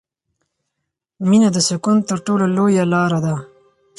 • مینه د سکون تر ټولو لویه لاره ده.